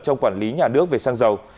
trong quản lý nhà nước về xăng dầu